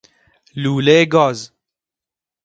لولۀ گاز